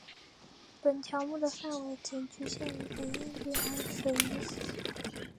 本条目的范围仅局限于北印度洋水域。